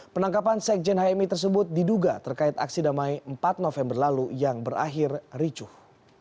penangkapan sekjen hmi tersebut diduga terkait aksi damai empat november lalu yang berakhir ricuh